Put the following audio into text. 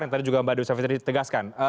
yang tadi juga mbak dewi savitri tegaskan